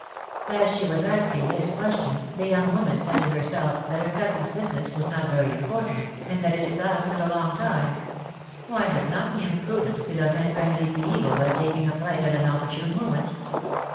As she was asking this question, the young woman said to herself that her cousin's business was not very impor tant, and that it had lasted a long time; why had not the imprudent Philom^ne remedied the evil by taking flight at an opportune moment